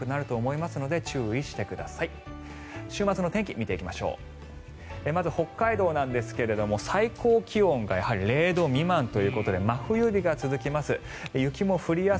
まず、北海道なんですが最高気温がやはり０度未満ということで真冬日が続きます。